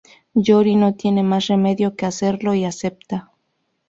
Yori no tiene más remedio que hacerlo y acepta.